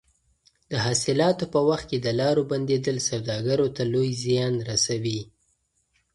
د حاصلاتو په وخت کې د لارو بندېدل سوداګرو ته لوی زیان رسوي.